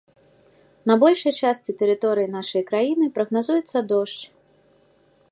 На большай частцы тэрыторыі нашай краіны прагназуецца дождж.